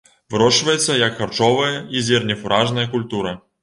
Вырошчваецца як харчовая і зернефуражная культура.